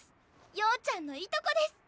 曜ちゃんのいとこです！